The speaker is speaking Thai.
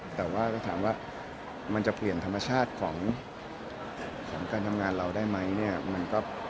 แต่ว่าก็ถามว่ามันจะเปลี่ยนธรรมชาติของการทำงานเราได้ไหมเนี่ย